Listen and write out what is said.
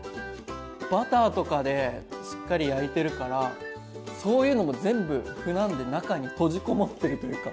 バターとかでしっかり焼いてるからそういうのも全部麩なんで中に閉じこもってるというか。